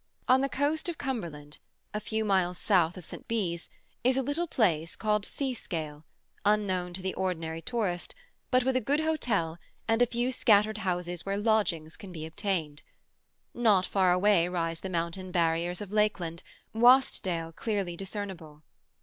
On the coast of Cumberland, a few miles south of St. Bees, is a little place called Seascale, unknown to the ordinary tourist, but with a good hotel and a few scattered houses where lodgings can be obtained. Not far away rise the mountain barriers of lake land, Wastdale clearly discernible.